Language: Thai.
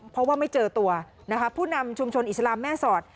เพราะว่าไม่เจอตัวนะคะผู้นำชุมชนอิสลามแม่สอด